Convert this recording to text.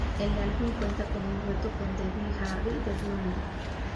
El álbum cuenta con un dueto con Debbie Harry de Blondie.